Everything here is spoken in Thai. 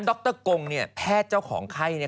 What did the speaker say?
รกงแพทย์เจ้าของไข้